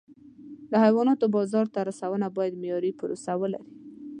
د حیواناتو بازار ته رسونه باید معیاري پروسه ولري.